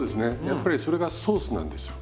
やっぱりそれがソースなんですよ